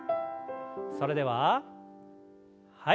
それでははい。